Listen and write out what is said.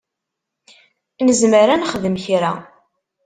Nezmer ad nexdem kra.